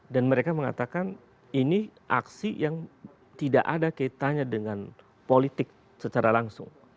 dan mereka mengatakan ini aksi yang tidak ada kaitannya dengan politik secara langsung